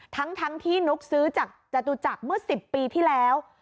ทั้งที่นุ๊กซื้อจากจตุจักรเมื่อ๑๐ปีที่แล้ว